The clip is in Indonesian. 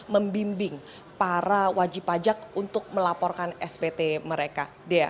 membimbing para wajib pajak untuk melaporkan spt mereka